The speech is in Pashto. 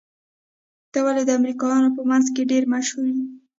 ته ولې د امريکايانو په منځ کې ډېر مشهور يې؟